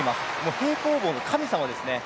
平行棒の神様ですね。